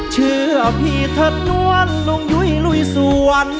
เชื่อพี่เถิดนวลลงยุ้ยลุยสวรรค์